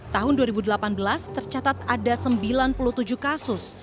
tahun dua ribu delapan belas tercatat ada sembilan puluh tujuh kasus